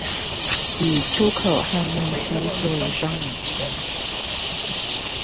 以出口和內需作為雙引擎